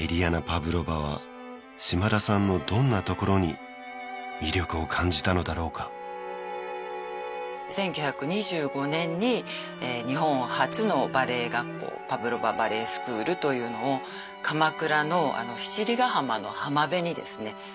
・パァヴロヴァは島田さんのどんなところに魅力を感じたのだろうか１９２５年に日本初のバレエ学校パァヴロヴァ・バレエスクールというのを鎌倉の七里ヶ浜の浜辺にですね